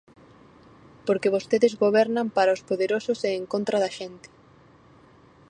Porque vostedes gobernan para os poderosos e en contra da xente.